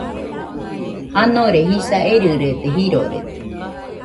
Janore jisa erɨrede, jirorede